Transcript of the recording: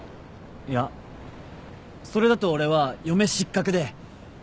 いやそれだと俺は嫁失格で。